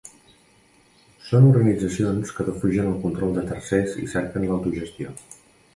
Són organitzacions que defugen el control de tercers i cerquen l’autogestió.